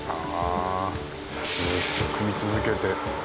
ずっと汲み続けて。